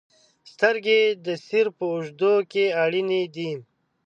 • سترګې د سیر په اوږدو کې اړینې دي.